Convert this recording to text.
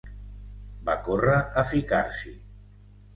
Va córrer a ficar-s'hi.